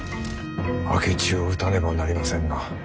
明智を討たねばなりませんな。